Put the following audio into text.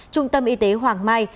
trung tâm y tế hoàng mai